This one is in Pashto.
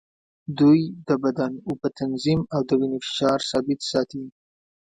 دوی د بدن اوبه تنظیم او د وینې فشار ثابت ساتي.